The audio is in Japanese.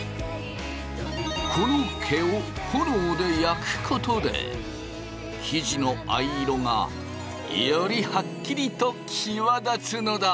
この毛を炎で焼くことで生地の藍色がよりハッキリと際立つのだ！